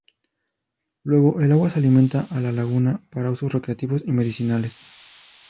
Luego el agua se alimenta a la laguna para usos recreativos y medicinales.